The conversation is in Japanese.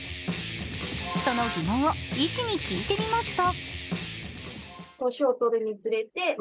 その疑問を医師に聞いてみました。